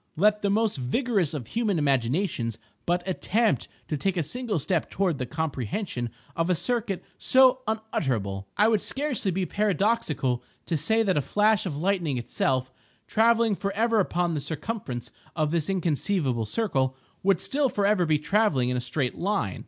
Let the most vigorous of human imaginations but attempt to take a single step toward the comprehension of a circuit so unutterable! It would scarcely be paradoxical to say that a flash of lightning itself, travelling forever upon the circumference of this inconceivable circle, would still forever be travelling in a straight line.